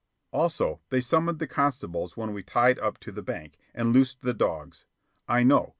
Also, they summoned the constables when we tied up to the bank, and loosed the dogs. I know.